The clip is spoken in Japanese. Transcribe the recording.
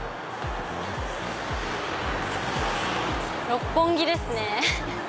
六本木ですね。